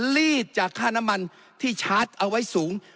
ลีดจากค่าน้ำมันที่ชาร์จเอาไว้สูง